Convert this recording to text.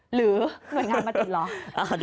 หรือหน่วยงานมาติดเหรอ